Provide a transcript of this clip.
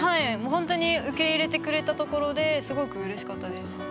ほんとに受け入れてくれたところですごくうれしかったです。